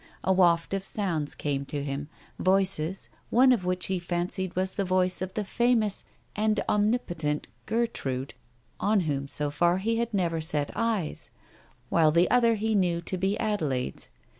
A waft of sounds came to him, voices, one of which he fancied was the voice of the famous and omni potent Gertrude, on whom so far he had never set eyes, while the other he knew to be Adelaide's.